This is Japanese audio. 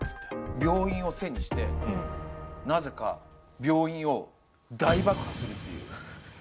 病院を背にして、なぜか病院を大爆破するんです。